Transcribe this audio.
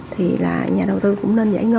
thì là nhà đầu tư cũng nên giải ngân